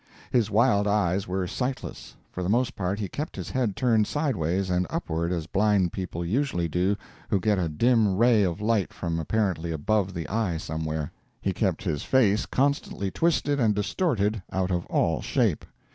His wild eyes were sightless. For the most part he kept his head turned sideways and upward as blind people usually do who get a dim ray of light from apparently above the eye somewhere. He kept his face constantly twisted and distorted out of all shape.